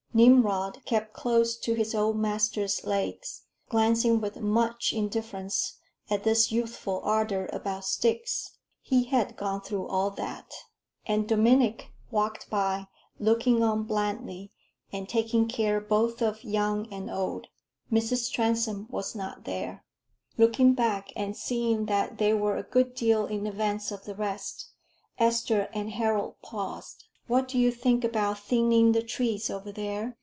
Nimrod kept close to his old master's legs, glancing with much indifference at this youthful ardor about sticks he had "gone through all that"; and Dominic walked by, looking on blandly, and taking care both of young and old. Mrs. Transome was not there. [Illustration: ESTHER LYON AND HAROLD TRANSOME.] Looking back and seeing that they were a good deal in advance of the rest, Esther and Harold paused. "What do you think about thinning the trees over there?"